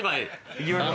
行きましょう。